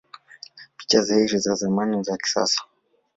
Picha za feri za zamani na za kisasa